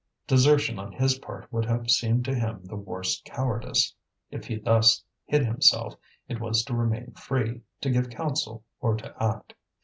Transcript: Desertion on his part would have seemed to him the worst cowardice. If he thus hid himself, it was to remain free, to give counsel or to act.